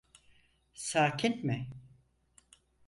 Sakin mi?